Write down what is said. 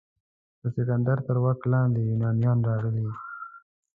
د سکندر تر واک لاندې یونانیان راغلي.